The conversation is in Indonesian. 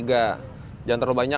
jangan terlalu banyak